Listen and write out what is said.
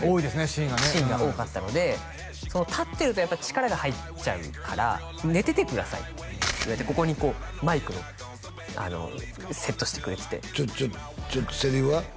シーンがねシーンが多かったので立ってるとやっぱ力が入っちゃうから「寝ててください」って言われてここにこうマイクのセットしてくれててちょちょちょっとセリフは？